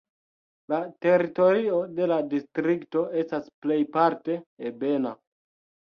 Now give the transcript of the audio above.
La teritorio de la distrikto estas plejparte ebena.